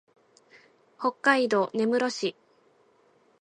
北海道根室市